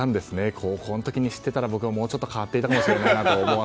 高校の時に知っていたらもうちょっと変わっていたかもしれない。